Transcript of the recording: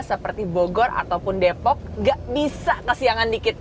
seperti bogor ataupun depok gak bisa kesiangan dikit